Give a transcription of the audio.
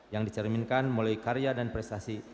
yang dicerminkan mulai karya dan prestasi